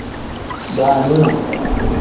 Daaninga.